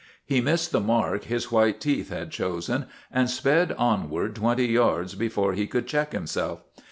He missed the mark his white teeth had chosen and sped onward twenty yards before he could check himself.